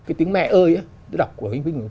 cái tiếng mẹ ơi tôi đọc của anh vinh